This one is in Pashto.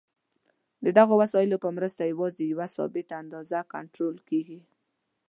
د دغو وسایلو په مرسته یوازې یوه ثابته اندازه کنټرول کېږي.